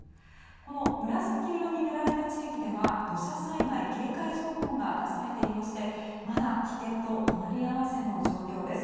この紫色に塗られた地域には土砂災害警戒情報が出されていまして、まだ危険と隣り合わせの状況です。